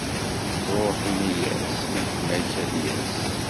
Ruḥ ini-yas i gma-k ad d-yas.